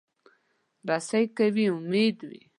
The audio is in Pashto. رسۍ که وي، امید وي.